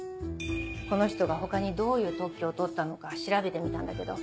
この人が他にどういう特許を取ったのか調べてみたんだけど。